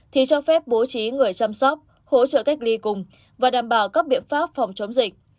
thì cho phép bố trí người chăm sóc hỗ trợ cách ly cùng và đảm bảo các biện pháp phòng chống dịch